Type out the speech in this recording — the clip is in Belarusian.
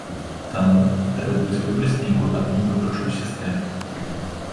Таму, трэба будзе выбраць нейкую адну выбарчую сістэму.